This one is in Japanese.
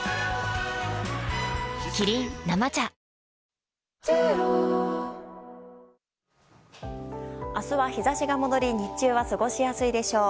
キリン「生茶」明日は日差しが戻り日中は過ごしやすいでしょう。